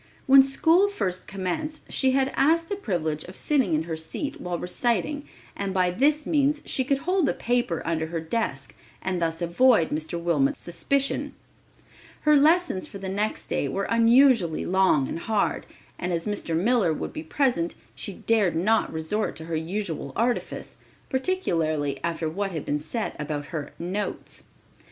When school first commenced she had asked the privilege of sitting in her seat while reciting and by this means she could hold the paper under her desk and thus avoid Mr. Wilmot's suspicion. Her lessons for the next day were unusually long and hard, and as Mr. Miller would be present, she dared not resort to her usual artifice, particularly after what had been said about her "notes."